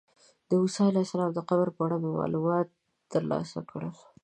د موسی علیه السلام د قبر په اړه مې معلومات ترلاسه کړل.